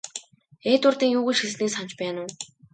Эдвардын юу гэж хэлснийг санаж байна уу?